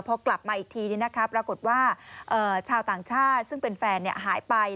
พอกลับมาอีกทีนี่นะครับปรากฏว่าชาวต่างชาติซึ่งเป็นแฟนเนี่ยหายไป